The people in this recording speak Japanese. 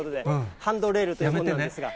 ハンドレールというものなんですが。